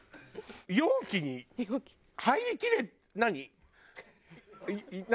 容器に入りきれ何？